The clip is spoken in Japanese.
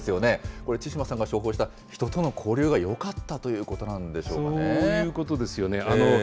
これ、千嶋さんが処方した人との交流がよかったということなんでしょうそういうことですよね。